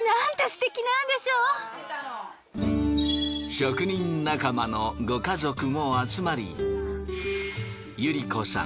職人仲間のご家族も集まり百合子さん